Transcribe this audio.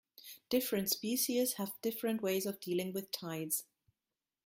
Different species have different ways of dealing with tides.